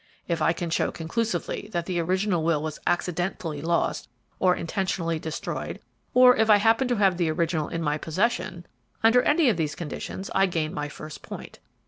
If I can show conclusively that the original will was accidentally lost, or intentionally destroyed, or if I happen to have the original in my possession, under any of these conditions I gain my first point.